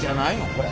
これ。